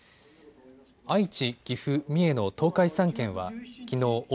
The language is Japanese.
愛知、岐阜、三重の東海３県はきのう